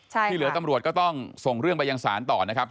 ที่เหลือตำรวจก็ต้องส่งเรื่องไปยังศาลต่อนะครับ